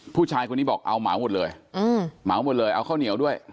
ผู้ชายคนนี้บอกเอาเหมาหมดเลยเหมาหมดเลยเอาข้าวเหนียวด้วย